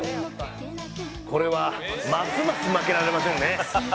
これはますます負けられませんね。